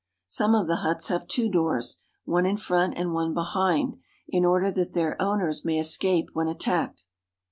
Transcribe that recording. Some of the huts have two doors, one in front and one behind, in order that their owners may escape when attacked.